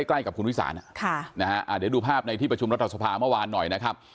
ใกล้กับคุณวิสานเดี๋ยวดูภาพในที่ประชุมรัฐสภาเมื่อวานหน่อยนะครับ